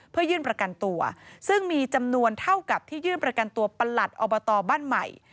เพื่อยื่นประกันตัวซึ่งมีจำนวนเท่ากับที่ยื่นประกันตัวประหลัดอบตบ้านใหม่